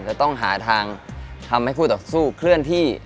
จะต้องหาทางทำให้คู่ต่อสู้เคลื่อนที่